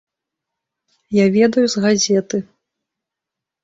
Я ведаю з газеты.